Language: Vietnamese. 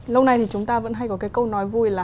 lâu nay thì chúng ta vẫn hay có cái câu nói vui là